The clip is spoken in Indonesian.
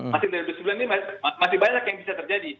masih dari sebulan ini masih banyak yang bisa terjadi